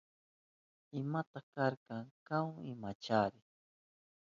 ¿Imata kayka kahu? Imachari.